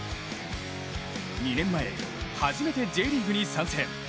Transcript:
２年前、初めてＪリーグに参戦。